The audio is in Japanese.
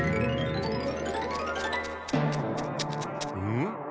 ん？